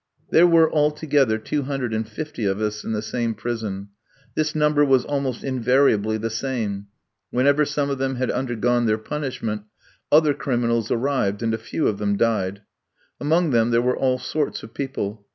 There were altogether two hundred and fifty of us in the same prison. This number was almost invariably the same. Whenever some of them had undergone their punishment, other criminals arrived, and a few of them died. Among them there were all sorts of people.